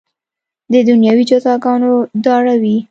د دنیوي جزاګانو ډاروي.